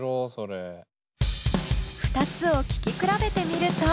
２つを聴き比べてみると。